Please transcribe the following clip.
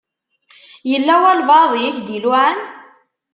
Yella walebɛaḍ i ak-d-iluɛan?